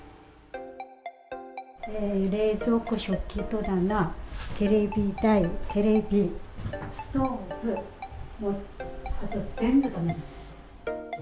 冷蔵庫、食器戸棚、テレビ台、テレビ、ストーブ、もう、あと全部だめです。